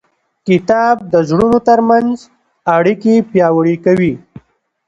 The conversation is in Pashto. کتاب د زړونو ترمنځ اړیکې پیاوړې کوي.